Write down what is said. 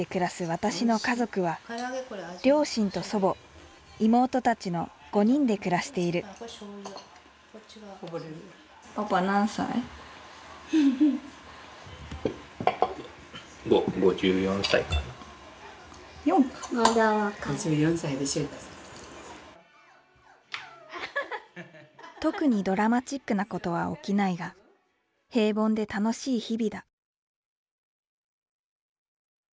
私の家族は両親と祖母妹たちの５人で暮らしている特にドラマチックなことは起きないが平凡で楽しい日々だ